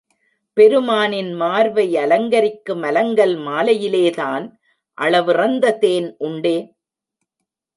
பெருமானின் மார்பை அலங்கரிக்கும் அலங்கல் மாலையிலே தான் அளவிறந்த தேன் உண்டே.